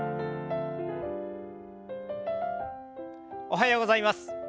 おはようございます。